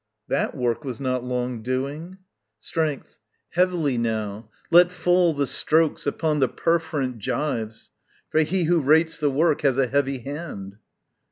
_ That work was not long doing. Strength. Heavily now Let fall the strokes upon the perforant gyves: For He who rates the work has a heavy hand.